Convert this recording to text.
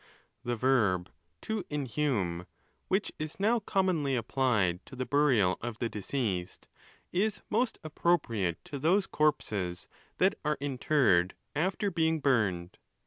'The verb to inhume, which is now commonly 'applied to ON THE LAWS. 455 the burial of the deceased, is most appropriate to those corpses that are interred after being burned.